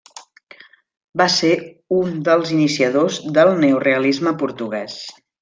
Va ser un dels iniciadors del neorealisme portuguès.